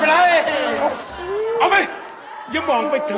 เอาไปอย่ามองไปเถ